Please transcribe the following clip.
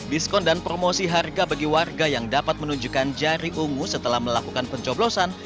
diskon dan promosi harga bagi warga yang dapat menunjukkan jari ungu setelah melakukan pencoblosan